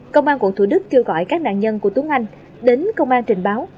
công an quận thủ đức kêu gọi các nạn nhân của túng ngành đến công an trình báo